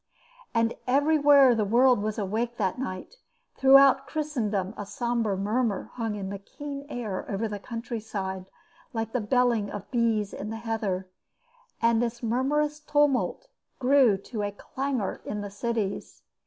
And everywhere the world was awake that night, and throughout Christendom a sombre murmur hung in the keen air over the countryside like the belling of bees in the heather, and this murmurous tumult grew to a clangour in the cities.